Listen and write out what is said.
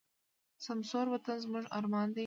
سمسور وطن زموږ ارمان دی.